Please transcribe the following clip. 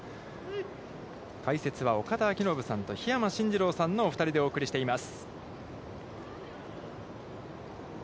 解説は岡田彰布さんと、桧山進次郎さんのお二人でお送りしています。